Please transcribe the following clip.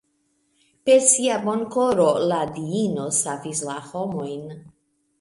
Per sia bonkoro la diino savis la homojn.